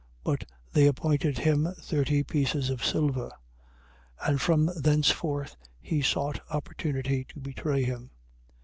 But they appointed him thirty pieces of silver. 26:16. And from thenceforth he sought opportunity to betray him.